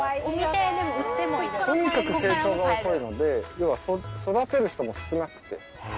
とにかく成長が遅いので要は育てる人も少なくて。